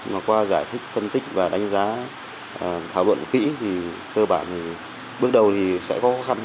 mà qua giải thích phân tích và đánh giá thảo luận kỹ thì cơ bản thì bước đầu thì sẽ khó khăn